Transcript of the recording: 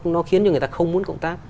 nó khiến cho người ta không muốn cộng tác